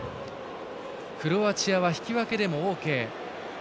クロアチアは引き分けでもオーケー。